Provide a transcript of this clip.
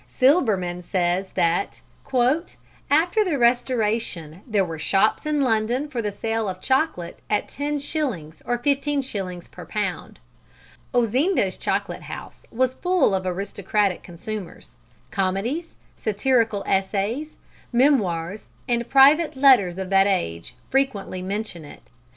Silbermann says that "After the Restoration there were shops in London for the sale of chocolate at ten shillings or fifteen shillings per pound. Ozinda's chocolate house was full of aristocratic consumers. Comedies, satirical essays, memoirs and private letters of that age frequently mention it.